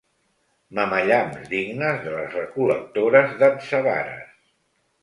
Mamellams dignes de les recol·lectores d'atzavares.